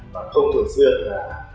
và không thường xuyên